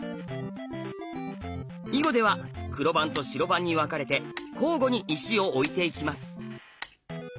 囲碁では黒番と白番に分かれて交互に石を置いていきます。